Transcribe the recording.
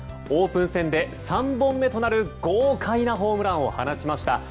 オープン戦で３本目となる豪快なホームランを放ちました。